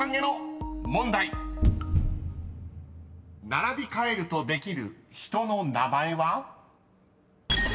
［並び替えるとできる人の名前は？］ふくおか！